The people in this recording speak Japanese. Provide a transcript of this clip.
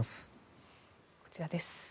こちらです。